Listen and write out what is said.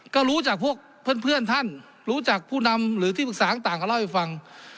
ก็รู้จากพวกเพื่อนท่านรู้จักผู้นำหรือที่ปรึกษาต่างก็เล่าให้ฟัง